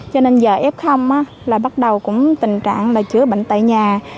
cho nên giờ f là bắt đầu tình trạng chữa bệnh tệ nhanh